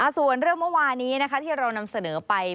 ส่วนเรื่องเมื่อวานี้ที่เรานำเสนอไป